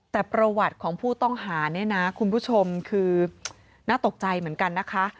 แต่ประวัติของผู้ต้องหาเนี่ยนะคุณผู้ชมคือน่าตกใจเหมือนกันนะคะ